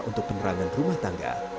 untuk penerangan rumah tangga